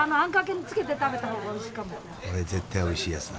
これ絶対おいしいやつだ。